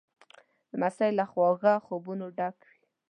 لمسی له خواږه خوبونو ډک وي.